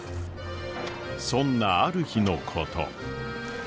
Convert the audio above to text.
そんなある日のこと。